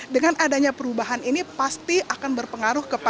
dengan adanya perubahan ini pasti akan berpengaruh kepada